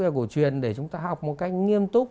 cổ truyền để chúng ta học một cách nghiêm túc